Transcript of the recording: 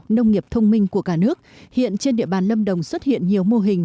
nông nghiệp thông minh của cả nước hiện trên địa bàn lâm đồng xuất hiện nhiều mô hình